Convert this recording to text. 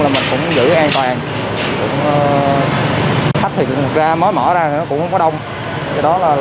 đó là mình cũng không có lo lắm mấy cái chuyện đó